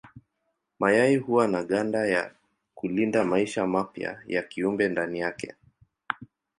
Mayai huwa na ganda ya kulinda maisha mapya ya kiumbe ndani yake.